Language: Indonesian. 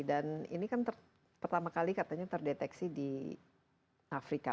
dan ini kan pertama kali katanya terdeteksi di afrika